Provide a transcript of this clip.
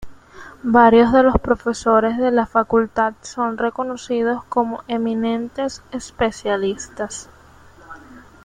Varios de los profesores de la facultad son reconocidos como eminentes especialistas.